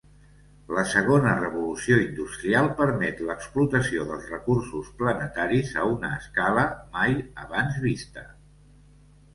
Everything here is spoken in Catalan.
La Segona Revolució Industrial permet l'explotació dels recursos planetaris a una escala mai abans vista.